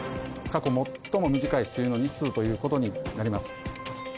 過去最も短い梅雨の日数ということになります。